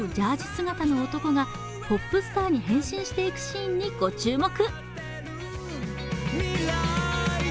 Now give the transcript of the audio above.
姿の男がポップスターに変身していくシーンに御注目。